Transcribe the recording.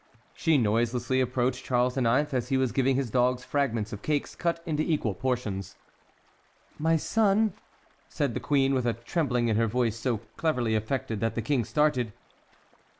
She noiselessly approached Charles IX. as he was giving his dogs fragments of cakes cut into equal portions. "My son," said the queen, with a trembling in her voice so cleverly affected that the King started.